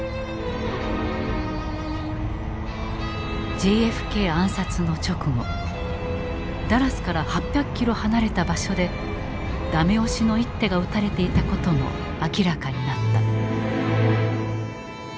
ＪＦＫ暗殺の直後ダラスから８００キロ離れた場所で駄目押しの一手が打たれていたことも明らかになった。